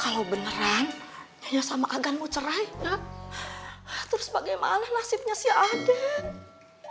kalau beneran nyonya sama agan mau cerai teh terus bagaimana nasibnya si aden